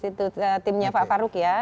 setahu saya hanya tim pak faruk ya